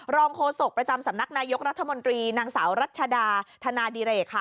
โฆษกประจำสำนักนายกรัฐมนตรีนางสาวรัชดาธนาดิเรกค่ะ